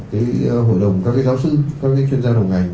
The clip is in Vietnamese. cái hội đồng các giáo sư các chuyên gia đồng ngành